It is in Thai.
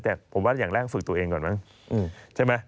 แต่ผมว่าอย่างแรกฝึกตัวเองก่อนมั้งใช่ไหม